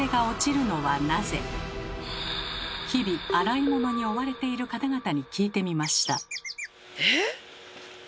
日々洗い物に追われている方々に聞いてみました。